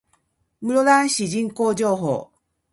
室蘭市人口情報